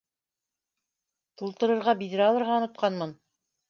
Тултырырға биҙрә алырға онотҡанмын